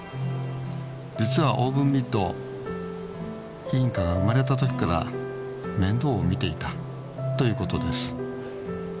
実はオーブンミットインカが生まれた時から面倒を見ていたということです。